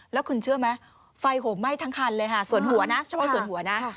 แล้วคุณเชื่อไหมไฟโหไม่ทั้งคันเลยค่ะส่วนหัวนะชอบค่ะ